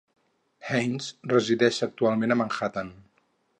Heinz resideix actualment a Manhattan.